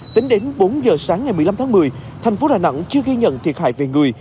tính đến bốn giờ sáng ngày một mươi năm tháng một mươi thành phố đà nẵng chưa ghi nhận thiệt hại về người